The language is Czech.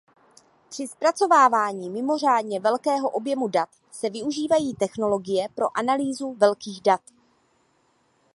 Při zpracovávání mimořádně velkého objemu dat se využívají technologie pro analýzu velkých dat.